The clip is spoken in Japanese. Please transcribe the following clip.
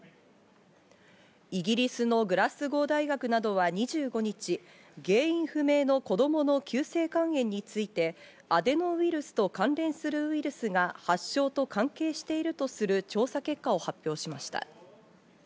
イギリスのグラスゴー大学などは２５日、原因不明の子供の急性肝炎について、アデノウイルスと関連するウイルスが発症と関係しているとする調査結果を発表しました。